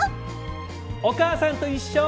「おかあさんといっしょ」。